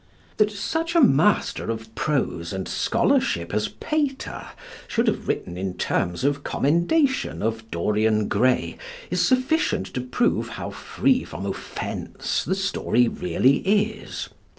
That such a master of prose and scholarship as Pater should have written in terms of commendation of Dorian Gray is sufficient to prove how free from offence the story really is.